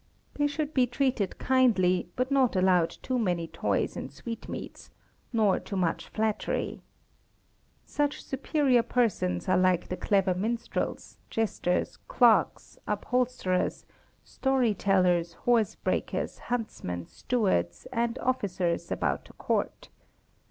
They should be treated kindly, but not allowed too many toys and sweetmeats, nor too much flattery. Such superior persons are like the clever minstrels, jesters, clerks, upholsterers, storytellers, horse breakers, huntsmen, stewards, and officers about a court.